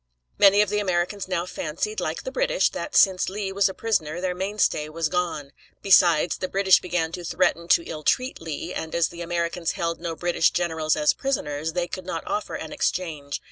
Many of the Americans now fancied, like the British, that since Lee was a prisoner their mainstay was gone. Besides, the British began to threaten to illtreat Lee, and as the Americans held no British generals as prisoners, they could not offer an exchange.